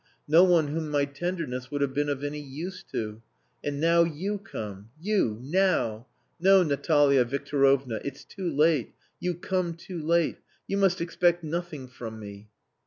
No one whom my tenderness would have been of any use to. And now you come. You! Now! No, Natalia Victorovna. It's too late. You come too late. You must expect nothing from me."